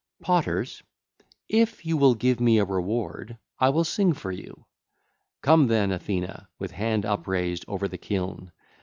XIV. (23 lines) (ll. 1 23) Potters, if you will give me a reward, I will sing for you. Come, then, Athena, with hand upraised 2606 over the kiln.